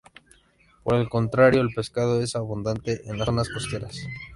Por el contrario el pescado es abundante en las zonas costeras.